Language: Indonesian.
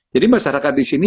jadi masyarakat disini